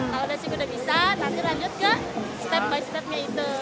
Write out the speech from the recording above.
kalau basic udah bisa nanti lanjut ke step by step nya itu